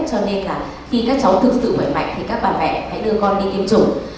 cho nên là khi các cháu thực sự khỏe mạnh thì các bà mẹ hãy đưa con đi tiêm chủng